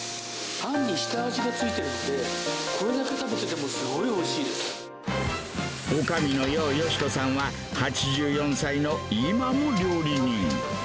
あんに下味が付いてるので、これだけ食べててもすごいおいしおかみの楊よし子さんは、８４歳の今も料理人。